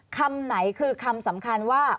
คำไหนคือคำสำคัญว่า